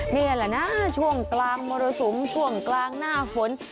นี่แหละนะช่วงกลางมรสุมช่วงกลางหน้าฝน